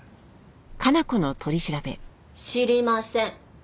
知りません。